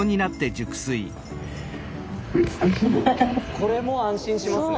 これも安心しますね。